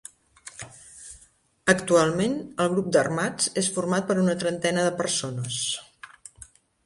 Actualment el grup d'armats és format per una trentena de persones.